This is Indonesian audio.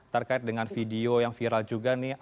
terkait dengan video yang viral juga nih